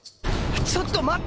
ちょっと待って！